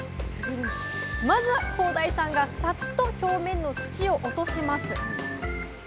まずは耕大さんがさっと表面の土を落とします。